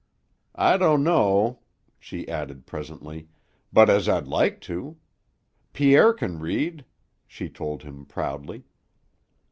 I dunno," she added presently, "but as I'd like to. Pierre can read," she told him proudly.